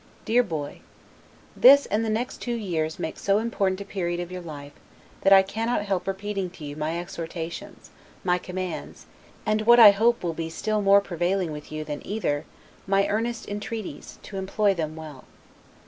DEAR BOY: This and the two next years make so important a period of your life, that I cannot help repeating to you my exhortations, my commands, and (what I hope will be still more prevailing with you than either) my earnest entreaties, to employ them well.